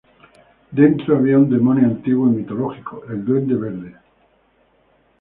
Dentro había un demonio antiguo y mitológico, el Duende Verde.